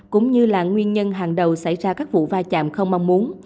cũng như là nguyên nhân hàng đầu xảy ra các vụ va chạm không mong muốn